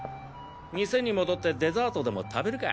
店に戻ってデザートでも食べるか。